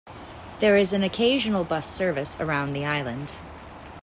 There is an occasional bus service around the island.